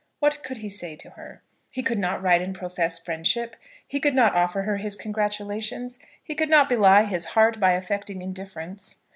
What could he say to her? He could not write and profess friendship; he could not offer her his congratulations; he could not belie his heart by affecting indifference.